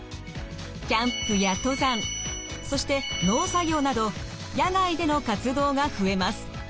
キャンプや登山そして農作業など野外での活動が増えます。